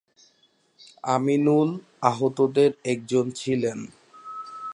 আমিনুল আহতদের একজন ছিলেন।